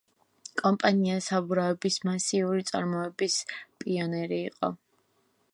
კომპანია საბურავების მასიური წარმოების პიონერი იყო.